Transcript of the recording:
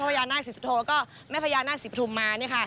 พ่อพญานาศิสุโธแล้วก็แม่พญานาศิสุธุมาเนี่ยค่ะ